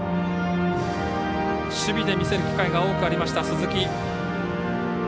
守備で見せる機会が多くありました鈴木。